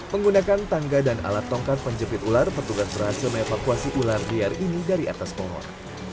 menggunakan tangga dan alat tongkat penjepit ular petugas berhasil mevakuasi ular liar ini dari atas pohon